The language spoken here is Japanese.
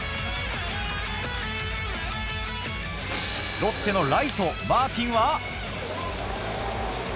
ロッテのライト、マーティンは。